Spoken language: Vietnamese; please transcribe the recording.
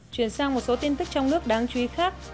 chuyển sang một số tin tức trong nước đáng chú ý khác